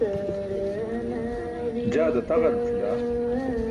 jaa dataġar ẓucila